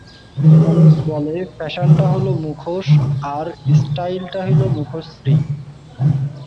অমিত বলে, ফ্যাশানটা হল মুখোশ, স্টাইলটা হল মুখশ্রী।